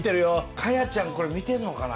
果耶ちゃんこれ見てんのかな。